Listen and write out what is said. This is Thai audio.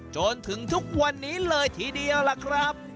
จนถึงทุกวันนี้เลยทีเดียวล่ะครับ